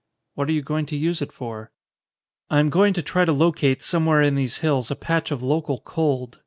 "What are you going to use it for?" "I am going to try to locate somewhere in these hills a patch of local cold.